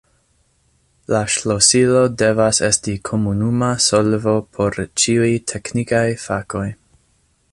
La ŝlosilo devas esti komuna solvo por ĉiuj teknikaj fakoj.